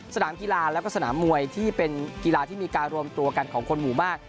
สนามกีฬาแล้วก็สนามมวยที่เป็นกีฬาที่มีการรวมตัวกันของคนหมู่มาก